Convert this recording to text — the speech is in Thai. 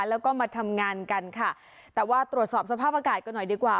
แล้วก็มาทำงานกันค่ะแต่ว่าตรวจสอบสภาพอากาศกันหน่อยดีกว่า